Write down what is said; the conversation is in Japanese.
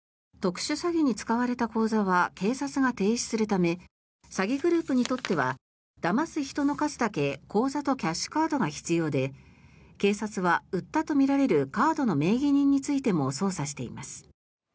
特殊詐欺に使われた口座は警察が停止するため詐欺グループにとってはだます人の数だけ口座とキャッシュカードが必要で警察は売ったとみられるカードの名義人についても捜査しています。